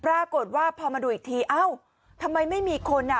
ปรากฏว่าพอมาดูอีกทีเอ้าทำไมไม่มีคนอ่ะ